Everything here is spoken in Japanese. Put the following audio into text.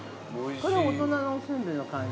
◆これ大人のおせんべいの感じ。